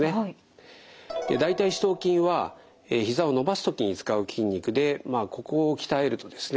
大腿四頭筋はひざを伸ばす時に使う筋肉でここを鍛えるとですね